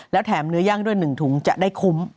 แล้วแถมเนื้อย่างด้วย๑ถุงจะได้คุ้ม